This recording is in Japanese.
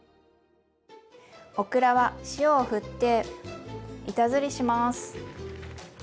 オクラは塩をふって板ずりします。